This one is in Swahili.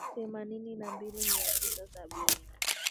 themanini na mbili mia tisa sabini